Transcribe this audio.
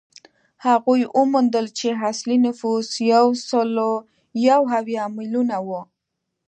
هغوی وموندل چې اصلي نفوس یو سل یو اویا میلیونه وو.